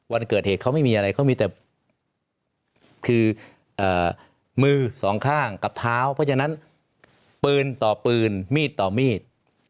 วันเกิดเหตุเขาไม่มีอะไรเขามีแต่คือมือสองข้างกับเท้าเพราะฉะนั้นปืนต่อปืนมีดต่อมีด